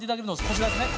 こちらですね。